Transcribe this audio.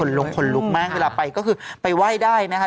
คนลุงคนลุกมากเวลาไปก็คือไปว่ายได้นะคะ